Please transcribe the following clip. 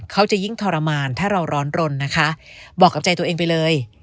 เขาจะยิ่งทรมานถ้าเราร้อนรนนะคะบอกกับใจตัวเองไปเลย